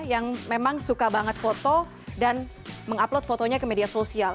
yang memang suka banget foto dan mengupload fotonya ke media sosial